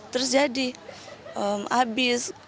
terus jadi habis